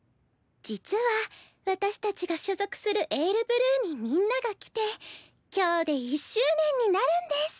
実は私たちが所属する「ＡｉＲＢＬＵＥ」にみんなが来て今日で１周年になるんです。